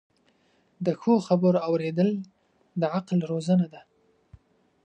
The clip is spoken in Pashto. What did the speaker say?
د ښو خبرو اوریدل د عقل روزنه ده.